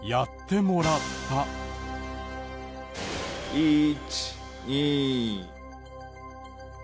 １２。